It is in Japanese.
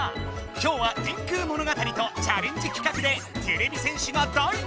きょうは「電空物語」とチャレンジ企画でてれび戦士が大活躍！